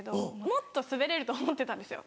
もっと滑れると思ってたんですよ